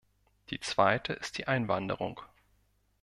Die zweite ist die Einwanderung.